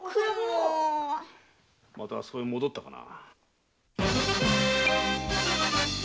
またあそこへ戻ったのかな？